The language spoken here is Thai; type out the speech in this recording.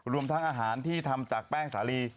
รวมทั้งอาหารที่ทำจากแป้งสาลี